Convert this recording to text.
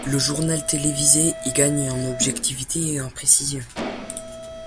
Le journal télévisé y gagne en objectivité et en précision.